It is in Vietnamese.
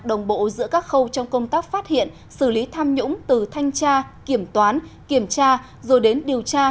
đồng bộ giữa các khâu trong công tác phát hiện xử lý tham nhũng từ thanh tra kiểm toán kiểm tra rồi đến điều tra